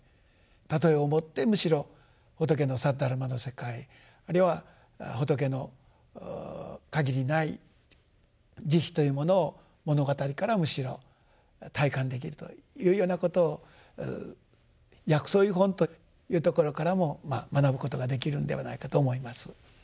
譬えをもってむしろ仏の「サッダルマ」の世界あるいは仏の限りない慈悲というものを物語からむしろ体感できるというようなことを「薬草喩品」というところからも学ぶことができるのではないかと思います。